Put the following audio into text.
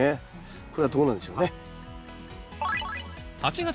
これはどうなんでしょうね。